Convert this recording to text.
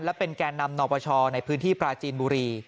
และเป็นแก่นำนปชในพื้นที่ปราจีนบุรี